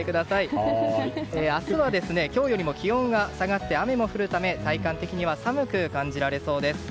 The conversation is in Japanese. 明日は今日よりも気温が下がって雨も降るため体感的には寒く感じられそうです。